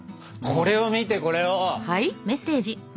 これを見てこれを。はい？